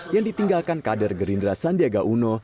yang ditinggalkan kader gerindra sandiaga uno